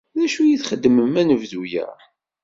D acu i txedmem anebdu-a?